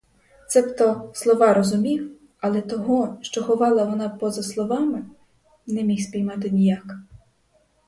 Цебто, слова розумів, але того, що ховала вона поза словами, не міг спіймати ніяк.